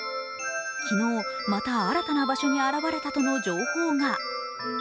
昨日、また新たな場所に現れたとの情報が。